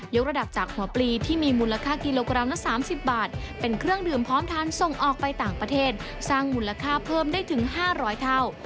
กระดับจากหัวปลีที่มีมูลค่ากิโลกรัมละ๓๐บาทเป็นเครื่องดื่มพร้อมทานส่งออกไปต่างประเทศสร้างมูลค่าเพิ่มได้ถึง๕๐๐เท่า